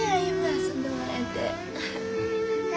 遊んでもらえて。